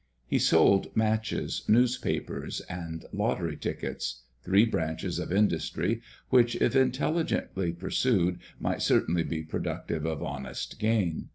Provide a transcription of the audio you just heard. He sold matches, newspapers, and lottery tickets, three branches of industry which, if intelligently pursued, might certainly be productive of honest gain.